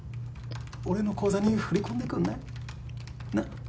俺の口座に振り込んでくんない？